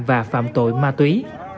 và phạm tội ma túy